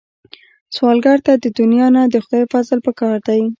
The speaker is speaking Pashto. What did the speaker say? سوالګر ته د دنیا نه، د خدای فضل پکار دی